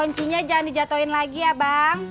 koncinya jangan di jatohin lagi ya bang